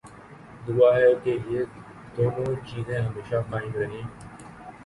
دعا ہے کہ یہ دونوں چیزیں ہمیشہ قائم رہیں۔